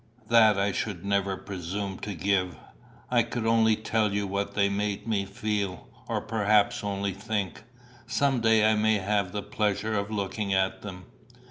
"That I should never presume to give. I could only tell you what they made me feel, or perhaps only think. Some day I may have the pleasure of looking at them."